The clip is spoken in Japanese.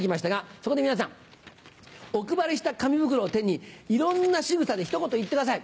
そこで皆さんお配りした紙袋を手にいろんなしぐさでひと言言ってください。